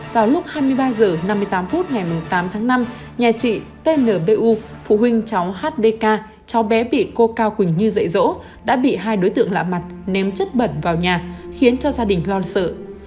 vào lúc hai mươi ba h năm mươi tám phút ngày tám tháng năm nhà chị tnbu phụ huynh cháu hdk cháu bé bị cô cao quỳnh như dạy dỗ đã bị hai đối tượng lạ mặt ném chất bẩn vào nhà khiến cho gia đình lon sợ